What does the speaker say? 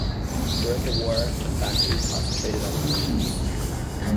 During the war, the factory concentrated on munitions.